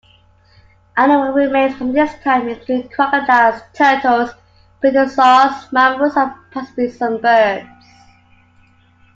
Animal remains from this time include crocodiles, turtles, pterosaurs, mammals and possibly some birds.